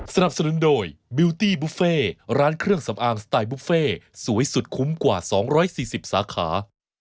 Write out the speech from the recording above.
สำอางสไตล์บุฟเฟ่สวยสุดคุ้มกว่า๒๔๐สาขา